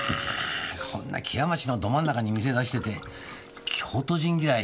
こんな木屋町のど真ん中に店出してて京都人嫌い？